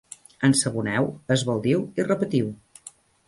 Ensaboneu, esbaldiu i repetiu.